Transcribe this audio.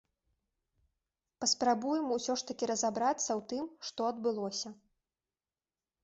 Паспрабуем усё ж такі разабрацца ў тым, што адбылося.